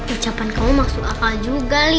ucapan kamu maksud akal juga